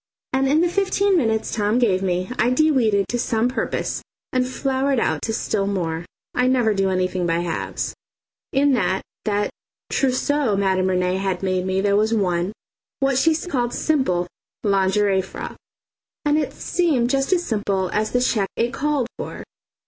And in the fifteen minutes Tom gave me I de weeded to some purpose and flowered out to still more. I never do anything by halves. In that that trousseau Madame Rene had made me there was one, what she called "simple" lingerie frock. And it looked just as simple as the cheque it called for.